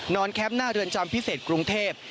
แคมป์หน้าเรือนจำพิเศษกรุงเทพ